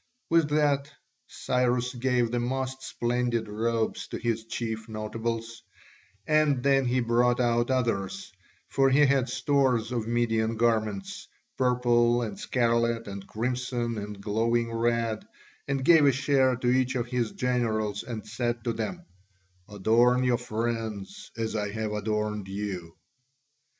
With that Cyrus gave the most splendid robes to his chief notables, and then he brought out others, for he had stores of Median garments, purple and scarlet and crimson and glowing red, and gave a share to each of his generals and said to them, "Adorn your friends, as I have adorned you."